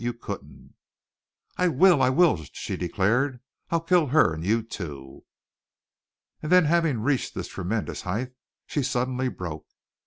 You couldn't!" "I will! I will!" she declared. "I'll kill her and you, too!" And then having reached this tremendous height she suddenly broke.